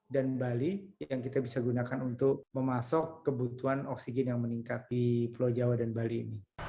bali yang kita bisa gunakan untuk memasok kebutuhan oksigen yang meningkat di pulau jawa dan bali ini